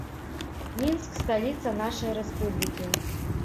Мінск сталіца нашай рэспублікі.